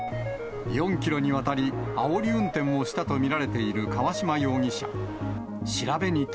４キロにわたり、あおり運転をしたと見られている川島容疑者。